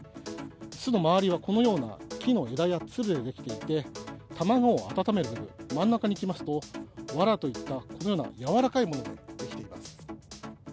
巣の周りは、このような木の枝やつるで出来ていて、卵を温める部分、真ん中にいきますと、わらといった、このようなやわらかいもので出来ています。